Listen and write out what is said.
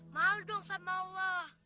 mal dong salam allah